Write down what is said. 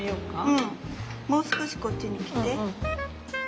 うんもう少しこっちに来て。